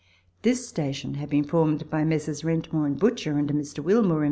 This station had been formed by Messrs. Wrentmore and Butcher for a Mr. Wilmore in V.